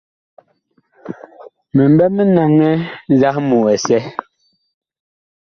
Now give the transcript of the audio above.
Mi mɓɛ mi naŋɛ nzahmu ɛsɛ.